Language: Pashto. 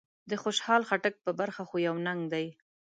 د خوشحال خټک په برخه خو يو ننګ دی.